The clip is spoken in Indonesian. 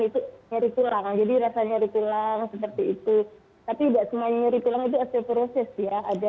itu nyeri tulang jadi rasanya di pulang seperti itu tapi enggak semuanya itu osteoporosis ya ada